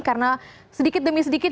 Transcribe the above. karena sedikit demi sedikit